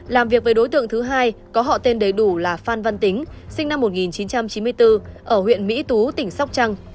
làm việc với đối tượng thứ hai có họ tên đầy đủ là phan văn tính sinh năm một nghìn chín trăm chín mươi bốn ở huyện mỹ tú tỉnh sóc trăng